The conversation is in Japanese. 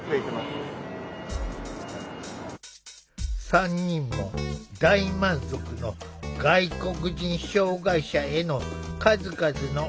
３人も大満足の外国人障害者への数々の“おもてなし”。